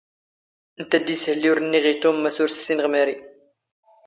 ⵎⵜⴰⴷⴷ ⵉⵙ ⵀⵍⵍⵉ ⵓⵔ ⵏⵏⵉⵖ ⵉ ⵜⵓⵎ ⵎⴰⵙ ⵓⵔ ⵙⵙⵉⵏⵖ ⵎⴰⵔⵉ.